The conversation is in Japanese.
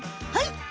はい。